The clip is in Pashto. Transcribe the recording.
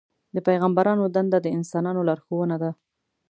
د پیغمبرانو دنده د انسانانو لارښوونه ده.